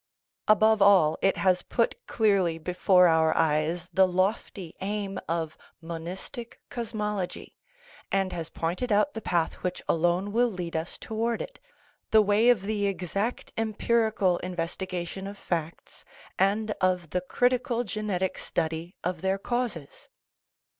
Above all, it has put clearly before our eyes the lofty aim of mon istic cosmology, and has pointed out the path which alone will lead us towards it the way of the exact em pirical investigation of facts, and of the critical genetic study of their causes.